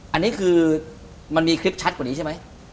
อันนี้คือมันมีคลิปชัดกว่านี้ใช่ไหม